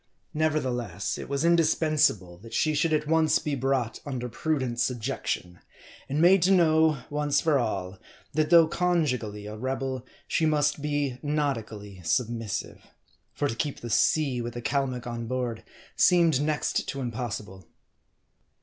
Nevertheless, it was indispensable that she should at once be brought under prudent subjection ; and made to know, once for all, that though conjugally a rebel, she must be nautically submissive. For to keep the sea with a Calmuc on board, seemed next to impossible.